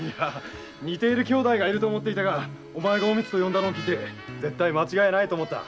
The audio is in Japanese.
似ている兄妹がいると思っていたがお前が“おみつ”と呼んだので絶対間違いないと思った。